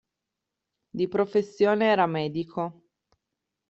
Di professione era medico.